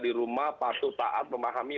di rumah patuh taat memahami